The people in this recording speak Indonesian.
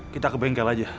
kita ke bengkel aja